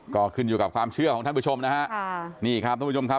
ก็ขึ้นอยู่กับความเชื่อของท่านผู้ชมนะฮะ